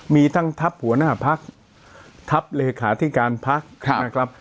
มีทั้งทัพหัวหน้าพักทัพเลขาธิการพักนะครับ